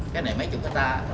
bây giờ nó nằm trong đất liền